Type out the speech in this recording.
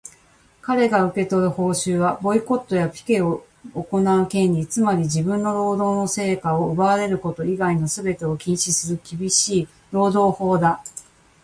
かれが受け取る報酬は、ボイコットやピケを行う権利、つまり自分の労働の成果を奪われること以外のすべてを禁止する厳しい労働法だ。